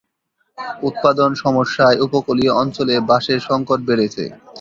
উৎপাদন সমস্যায় উপকূলীয় অঞ্চলে বাঁশের সংকট বেড়েছে।